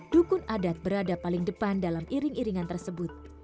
dukun adat berada paling depan dalam iring iringan tersebut